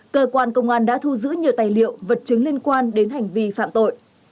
cơ quan công an đã thu giữ nhiều tài liệu vật chứng liên quan đến hành vi phạm tội